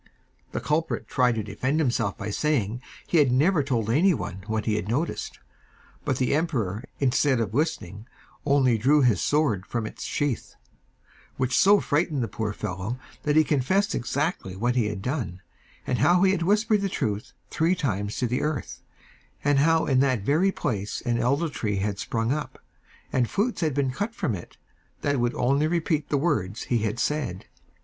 The culprit tried to defend himself by saying that he had never told anyone what he had noticed; but the emperor, instead of listening, only drew his sword from its sheath, which so frightened the poor fellow that he confessed exactly what he had done, and how he had whispered the truth three times to the earth, and how in that very place an elder tree had sprung up, and flutes had been cut from it, which would only repeat the words he had said.